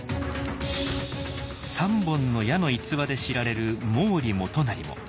「三本の矢」の逸話で知られる毛利元就も。